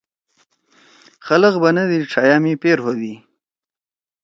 خلگ بنَدی ڇھئیا می پیر ہودی۔